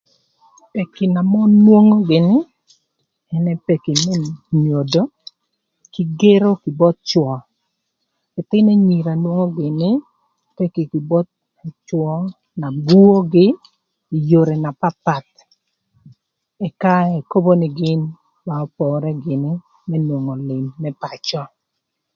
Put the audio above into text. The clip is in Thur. Peki na mon nwongo gïnï ënë peki më nyodo kï gero kï both cwö, ëthïn anyira nwongo gïnï peki kï both cwö na buogï ï yodhi na papath ëka ekobo nï gïn ba opore gïnï më nwongo lïm më pacö.